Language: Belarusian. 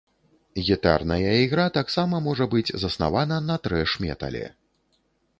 Гітарная ігра таксама можа быць заснавана на трэш-метале.